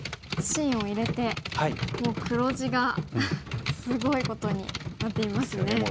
芯を入れてもう黒地がすごいことになっていますね。